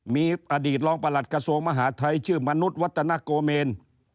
มีอดีตรองประหลัดกระทรวงมหาทัยชื่อมนุษย์วัฒนโกเมน